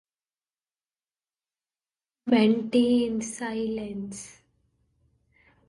Organizational changes can also lead to increased innovation and adaptability.